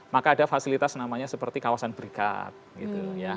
maka ada fasilitas namanya seperti kawasan berikat gitu ya